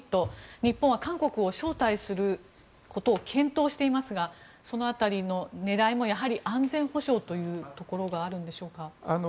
日本は韓国を招待することを検討していますがその辺りの狙いもやはり安全保障というところがあるんでしょうか。